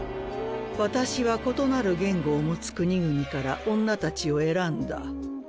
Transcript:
私は異なる言語を持つ国々から女たちを選んだ。